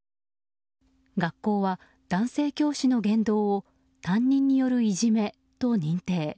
学校は男性教師の言動を担任によるいじめと認定。